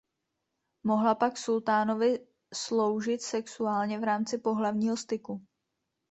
Mohla pak sultánovi sloužit sexuálně v rámci pohlavního styku.